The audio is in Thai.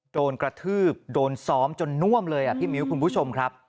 โดนกระทืบโดนซ้อมจนน่วมเลยพี่มิ้วคุณผู้ชมครับ